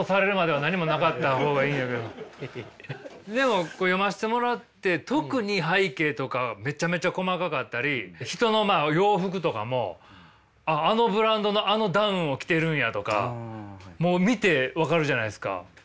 でも読ませてもらって特に背景とかはめちゃめちゃ細かかったり人の洋服とかもあのブランドのあのダウンを着てるんやとかもう見て分かるじゃないですか。